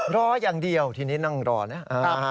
รออย่างเดียวทีนี้นั่งรอนะ